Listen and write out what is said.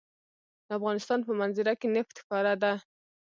د افغانستان په منظره کې نفت ښکاره ده.